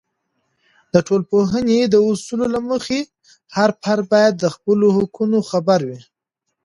د ټولنپوهنې د اصولو له مخې، هر فرد باید د خپلو حقونو خبر وي.